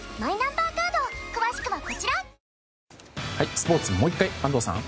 スポーツもう１回、安藤さん。